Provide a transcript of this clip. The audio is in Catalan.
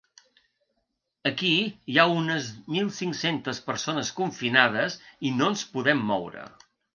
Aquí hi ha unes mil cinc-centes persones confinades i no ens podem moure.